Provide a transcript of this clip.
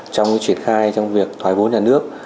trong triển khai trong việc thoái vốn nhà nước